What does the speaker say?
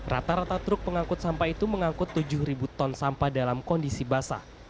rata rata truk pengangkut sampah itu mengangkut tujuh ton sampah dalam kondisi basah